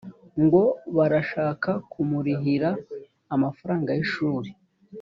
ngo barashaka kumurihira amafaranga y’ishuri